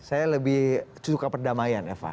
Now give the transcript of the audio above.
saya lebih suka perdamaian eva